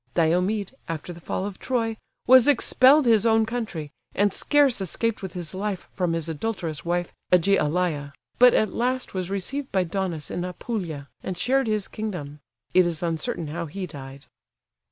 Diomed, after the fall of Troy, was expelled his own country, and scarce escaped with his life from his adulterous wife Ægialé; but at last was received by Daunus in Apulia, and shared his kingdom; it is uncertain how he died.